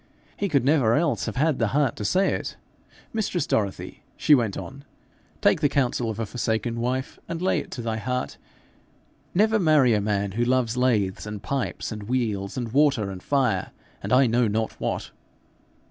He could never else have had the heart to say it. Mistress Dorothy,' she went on, 'take the counsel of a forsaken wife, and lay it to thy heart: never marry a man who loves lathes and pipes and wheels and water and fire, and I know not what.